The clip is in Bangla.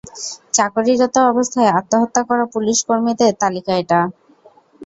চাকরিরত অবস্থায় আত্মহত্যা করা পুলিশ কর্মীদের তালিকা এটা।